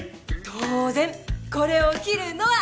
当然これを着るのは。